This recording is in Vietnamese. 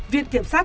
viện kiểm sát